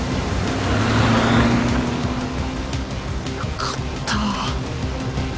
よかった